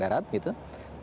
berjalan keyboard makak tele